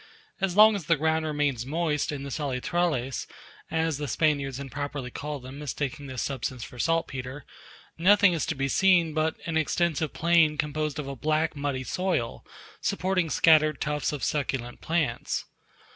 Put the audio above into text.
As long as the ground remains moist in the salitrales (as the Spaniards improperly call them, mistaking this substance for saltpeter), nothing is to be seen but an extensive plain composed of a black, muddy soil, supporting scattered tufts of succulent plants.